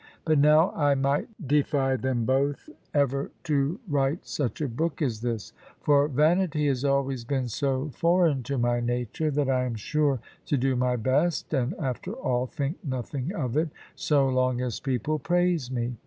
But now I might defy them both, ever to write such a book as this. For vanity has always been so foreign to my nature, that I am sure to do my best, and, after all, think nothing of it, so long as people praise me.